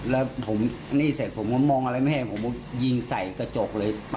แล้วผมนี่เสร็จผมก็มองอะไรไม่ให้ผมก็ยิงใส่กระจกเลย